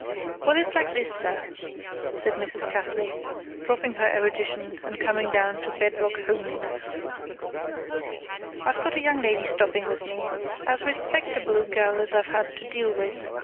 "Well, it's like this, sir," said Mrs. Cassley, dropping her erudition, and coming down to bedrock homeliness; "I've got a young lady stopping with me, as respectable a gel as I've had to deal with.